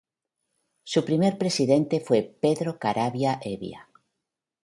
Su primer presidente fue Pedro Caravia Hevia.